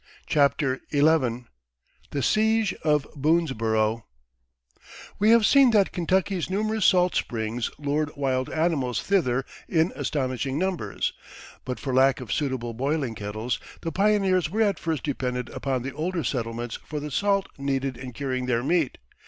CHAPTER XI THE SIEGE OF BOONESBOROUGH We have seen that Kentucky's numerous salt springs lured wild animals thither in astonishing numbers; but for lack of suitable boiling kettles the pioneers were at first dependent upon the older settlements for the salt needed in curing their meat.